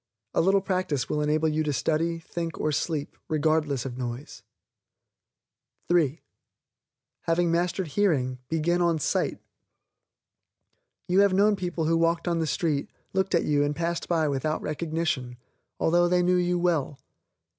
A little practice will enable you to study, think or sleep, regardless of noise. (3) Having mastered hearing, begin on SIGHT. You have known people who walked on the street, looked at you and passed by without recognition, although they knew you well.